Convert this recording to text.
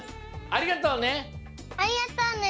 ありがとうね！